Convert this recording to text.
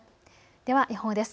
では予報です。